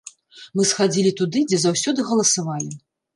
Мы схадзілі туды, дзе заўсёды галасавалі.